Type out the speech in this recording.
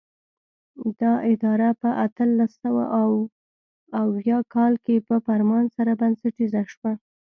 دا اداره په اتلس سوه اوه اویا کال کې په فرمان سره بنسټیزه شوه.